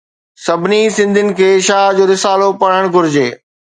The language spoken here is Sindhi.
سڀني سنڌين کي شاھ جو رسالو پڙھڻ گھرجي.